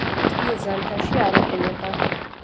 თბილ ზამთარში არ იყინება.